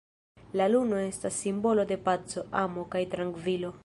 La luno estas simbolo de paco, amo, kaj trankvilo.